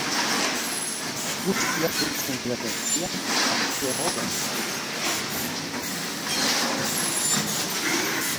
Guztiak deitzen dio atentzioa eta beti dago galdezka.